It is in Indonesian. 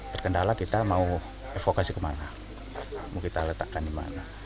terkendala kita mau evokasi kemana mau kita letakkan di mana